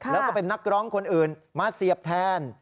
แล้วก็เป็นนักร้องคนอื่นมาเสียบแทน